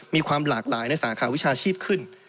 มีความหลากหลายในสาขาวิชาชีพขึ้น